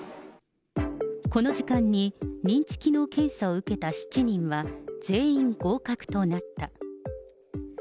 この時間に認知機能検査を受けた７人は、全員合格となった。